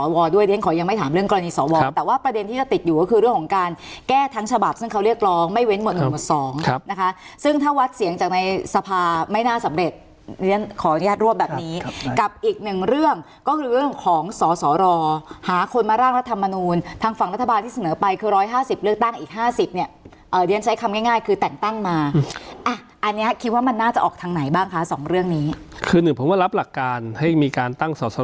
พาไม่น่าสำเร็จเรียนขออนุญาตรวจแบบนี้กับอีกหนึ่งเรื่องก็คือเรื่องของสอสอรอหาคนมาร่างรัฐมนูญทางฝั่งรัฐบาลที่เสนอไปคือร้อยห้าสิบเลือกตั้งอีกห้าสิบเนี่ยเอ่อเรียนใช้คำง่ายง่ายคือแต่งตั้งมาอ่ะอันนี้คิดว่ามันน่าจะออกทางไหนบ้างคะสองเรื่องนี้คือหนึ่งผมว่ารับหลักการให้มีการตั้งสอ